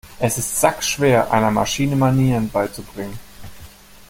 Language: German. Es ist sackschwer, einer Maschine Manieren beizubringen.